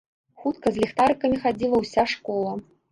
Хутка з ліхтарыкамі хадзіла ўся школа.